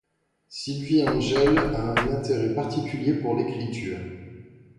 Sylvie Angel a un intérêt particulier pour l'écriture.